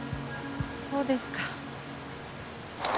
そうですか。